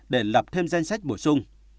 để lập thêm danh sách bổ sung